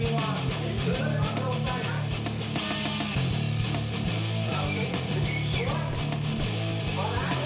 ออกแล้วที่เลี้ยงไปแล้วแล้ว